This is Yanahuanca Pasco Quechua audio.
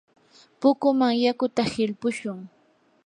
pukuman yakuta hilpushun.